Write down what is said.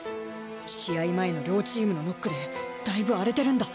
試合前の両チームのノックでだいぶ荒れてるんだ！